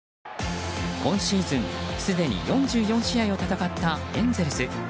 今シーズン、すでに４４試合を戦ったエンゼルス。